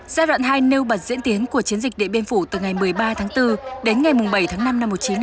giai đoạn hai nêu bật diễn tiến của chiến dịch điện biên phủ từ ngày một mươi ba tháng bốn đến ngày bảy tháng năm năm một nghìn chín trăm năm mươi bốn